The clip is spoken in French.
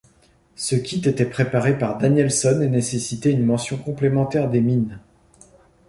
Ce kit était préparé par Danielson et nécessitait une mention complémentaire des Mines.